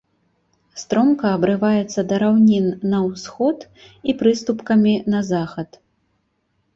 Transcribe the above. Стромка абрываецца да раўнін на ўсход і прыступкамі на захад.